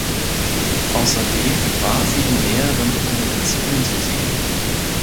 Außerdem war sie in mehreren Dokumentationen zu sehen.